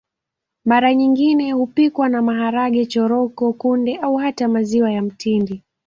Mara nyingine hupikwa na maharage choroko kunde au hata maziwa ya mtindi